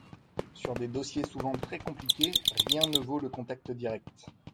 Sur des dossiers souvent très compliqués, rien ne vaut le contact direct.